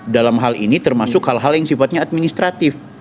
dalam hal ini termasuk hal hal yang sifatnya administratif